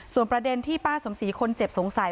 ส่วนประเด็นที่ป้าสมศรีคนเจ็บสงสัย